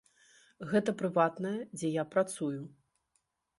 Гэта прыватнае, дзе я працую!